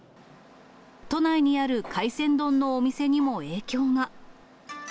都内にある海鮮丼のお店にも影響が。